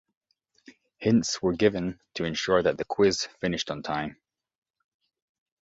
Hints were given to ensure that the quiz finished on time.